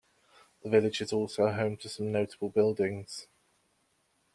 The village is also home to some notable buildings.